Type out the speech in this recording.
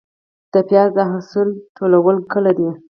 د پیاز د حاصل ټولول کله دي؟